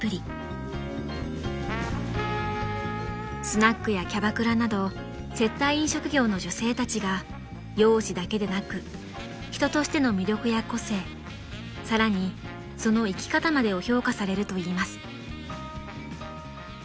［スナックやキャバクラなど接待飲食業の女性たちが容姿だけでなく人としての魅力や個性さらにその生き方までを評価されるといいます］